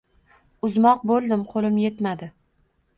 Uzmoq bo‘ldim — qo‘lim yetmadi.